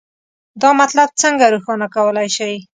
دا مطلب څنګه روښانه کولی شئ؟